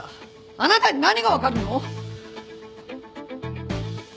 あなたに何がわかるの！？